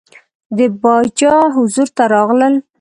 د باچا حضور ته راغلل.